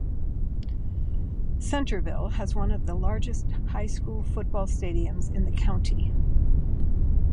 Centreville has one of the largest high school football stadiums in the county.